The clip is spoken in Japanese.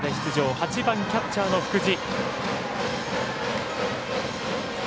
８番キャッチャーの福地。